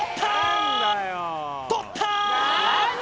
取ったー！